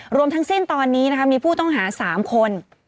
หลวงทางเส้นตอนนี้มีผู้ต้องหา๓คน